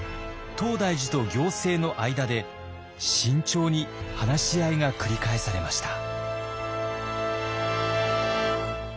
東大寺と行政の間で慎重に話し合いが繰り返されました。